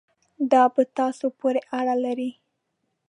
دا په تاسو پورې اړه لري.